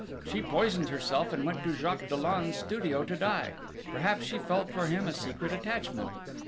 She poisoned herself, and went to Jacques Dollon's studio to die: perhaps she felt for him a secret attachment!